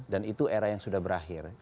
dan itu era yang sudah berakhir